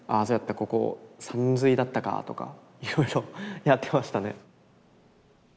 ここさんずいだったか」とかいろいろやってましたね。